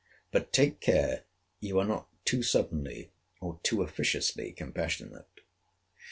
But take care you are not too suddenly, or too officiously compassionate.